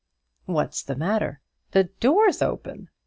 "What's the matter?" "The door's open."